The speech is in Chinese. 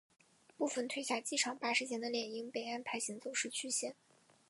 部份退下机场巴士线的猎鹰被安排行走市区线。